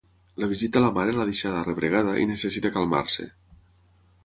La visita a la mare l’ha deixada rebregada i necessita calmar-se.